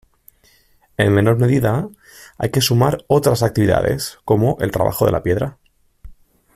En menor medida, hay que sumar otras actividades como el trabajo de la piedra.